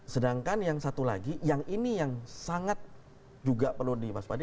sedangkan yang satu lagi yang ini yang sangat juga perlu diwaspadai